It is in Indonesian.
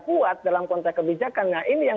kuat dalam konteks kebijakan nah ini yang